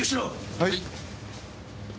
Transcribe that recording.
はい。